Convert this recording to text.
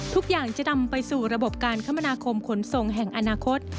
ทุกอย่างจะนำไปสู่ระบบการคมนาคมขนส่งแห่งอนาคต